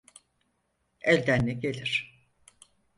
Elden ne gelir?